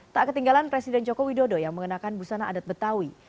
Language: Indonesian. tak ketinggalan presiden joko widodo yang mengenakan busana adat betawi